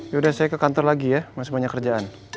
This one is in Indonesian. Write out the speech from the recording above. yaudah saya ke kantor lagi ya masih banyak kerjaan